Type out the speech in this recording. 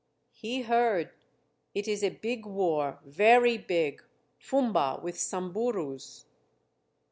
"He heard. It is a big war, very big Fumba with Samburus."